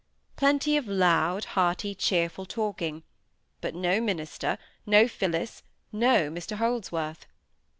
Plenty of loud, hearty, cheerful talking; but no minister, no Phillis, no Mr Holdsworth.